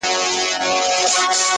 اوس له شپو سره راځي اغزن خوبونه؛